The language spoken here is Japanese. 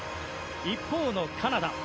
一方のカナダ。